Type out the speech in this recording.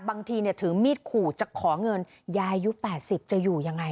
บางทีถือมีดขู่จะขอเงินยายอายุ๘๐จะอยู่ยังไง